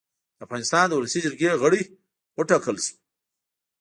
د افغانستان د اولسي جرګې غړی اوټاکلی شو